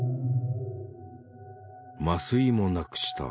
麻酔も無くした。